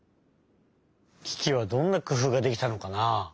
キキはどんなくふうができたのかな？